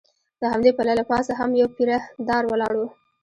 د همدې پله له پاسه هم یو پیره دار ولاړ و.